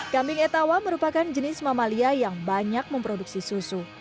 kambing etawa merupakan jenis mamalia yang banyak memproduksi susu